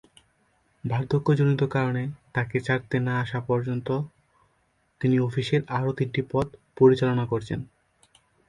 বার্ধক্যজনিত কারণে তাকে ছাড়তে না আসা পর্যন্ত তিনি অফিসে আরও তিনটি পদ পরিচালনা করেছেন।